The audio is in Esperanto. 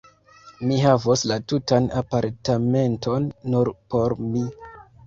Mi havos la tutan apartamenton, nur por mi!